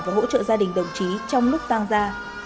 và hỗ trợ gia đình đồng chí trong lúc tăng ra